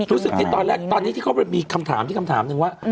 รู้สึกที่ตอนแรกตอนนี้มีคำถามที่คำถามถึงว่า